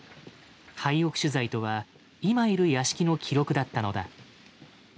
「廃屋取材」とは今いる屋敷の記録だったのだ。